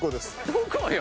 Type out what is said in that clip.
どこよ？